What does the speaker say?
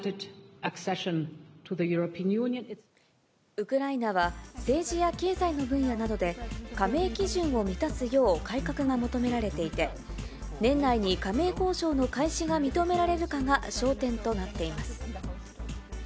ウクライナは政治や経済の分野で、加盟基準を満たすよう改革が求められていて、年内に加盟交渉の開始が認められるかが焦点となっています。